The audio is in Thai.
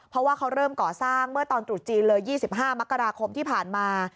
เพราะว่าเขาเริ่มก่อสร้างเมื่อตอนตรุษจีนเลย๒๕มกราคมที่ผ่านมา